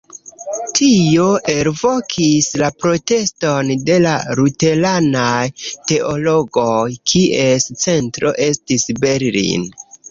Tio elvokis la proteston de la luteranaj teologoj, kies centro estis Berlin.